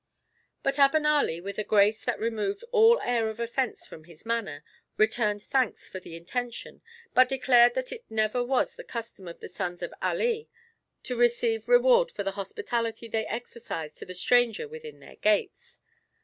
But Abenali with a grace that removed all air of offence from his manner, returned thanks for the intention, but declared that it never was the custom of the sons of Ali to receive reward for the hospitality they exercised to the stranger within their gates.